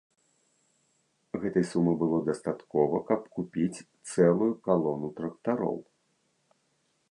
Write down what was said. Гэтай сумы было дастаткова, каб купіць цэлую калону трактароў.